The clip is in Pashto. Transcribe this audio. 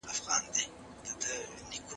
نه ملکه نه تاج محل نه شاه جهان پاته سو.